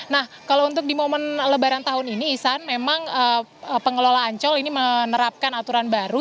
nah kalau untuk di momen lebaran tahun ini isan memang pengelola ancol ini menerapkan aturan baru